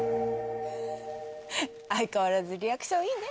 相変わらずリアクションいいね